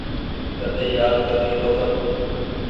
ڪيۮي يآد ڪر لي ٻوکر۔